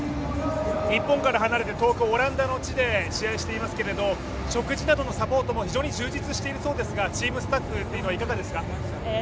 日本から離れて、遠くオランダの地でプレーしていますけど食事などのサポートも非常に充実しているそうですけれども、チームスタッフというのはいかがですか？